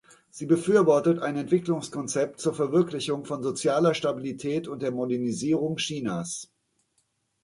Sie befürwortet ein Entwicklungskonzept zur Verwirklichung von sozialer Stabilität und der Modernisierung Chinas.